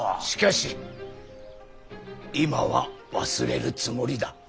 しかし今は忘れるつもりだ。